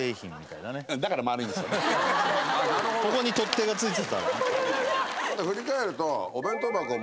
ここに取っ手が付いてたら。